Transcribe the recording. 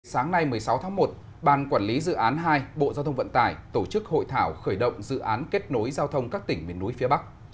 sáng nay một mươi sáu tháng một ban quản lý dự án hai bộ giao thông vận tải tổ chức hội thảo khởi động dự án kết nối giao thông các tỉnh miền núi phía bắc